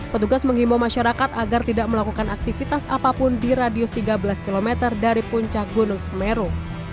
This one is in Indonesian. petugas mengimbau masyarakat agar tidak melakukan aktivitas apapun di radius tiga belas km dari puncak gunung semeru